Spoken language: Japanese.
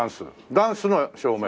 ダンスの照明？